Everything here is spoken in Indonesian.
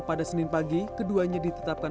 pada senin pagi keduanya ditetapkan